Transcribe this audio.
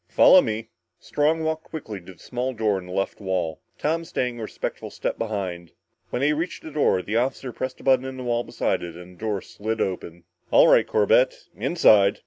Follow me." Strong walked quickly to the small door in the left wall, Tom staying a respectful step behind. When they reached the door, the officer pressed a button in the wall beside it and the door slid open. "All right, Corbett. Inside."